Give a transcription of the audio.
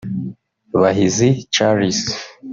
Bahizi Charles